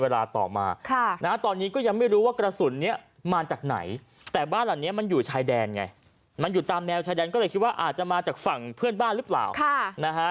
และอาจจะมาจากฝั่งเพื่อนบ้าน